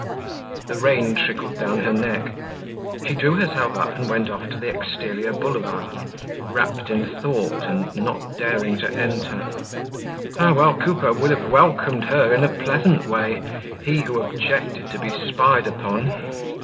The rain trickled down her neck; she drew herself up and went off to the exterior Boulevard, wrapped in thought and not daring to enter. Ah! well Coupeau would have welcomed her in a pleasant way, he who objected to be spied upon!